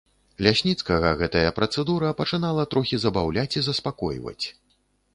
Лясніцкага гэтая працэдура пачынала трохі забаўляць і заспакойваць.